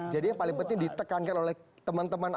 jadi yang paling penting ditekankan oleh teman teman